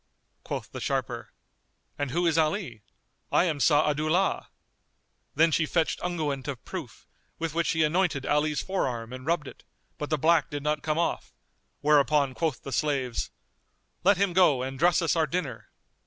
Quoth the sharper, "And who is Ali? I am Sa'adu'llah." Then she fetched unguent of proof, with which she anointed Ali's forearm and rubbed it; but the black did not come off; whereupon quoth the slaves "Let him go and dress us our dinner."